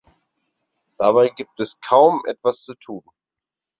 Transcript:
Dabei gibt es kaum etwas zu tun.